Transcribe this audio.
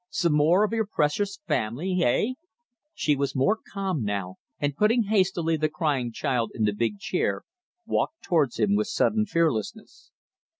Some more of your precious family. Hey?" She was more calm now, and putting hastily the crying child in the big chair walked towards him with sudden fearlessness.